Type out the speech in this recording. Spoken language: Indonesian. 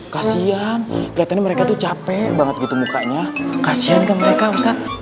kasian kelihatannya mereka tuh capek banget gitu mukanya kasian ke mereka ustadz